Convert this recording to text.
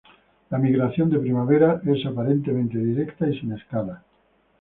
La migración de primavera es aparentemente directa y sin escalas.